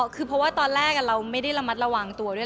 คือเพราะว่าตอนแรกเราไม่ได้ระมัดระวังตัวด้วย